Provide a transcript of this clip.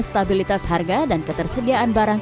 stabilitas harga dan ketersediaan barang